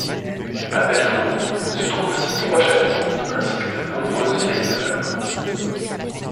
À Belfaux se trouvent aussi trois châteaux ainsi que de nombreuses vieilles demeures.